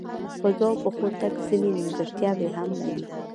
په دوو پښو تګ ځینې نیمګړتیاوې هم لري.